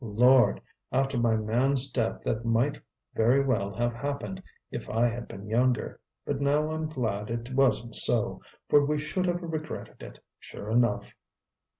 Lord! After my man's death that might very well have happened if I had been younger. But now I'm glad it wasn't so, for we should have regretted it, sure enough."